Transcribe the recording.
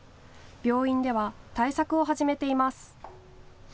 病院では対策を始めています。